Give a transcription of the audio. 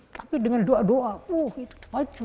tapi dengan doa doa